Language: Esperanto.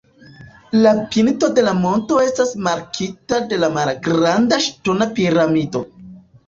La pinto de la monto estas markita de malgranda ŝtona piramido.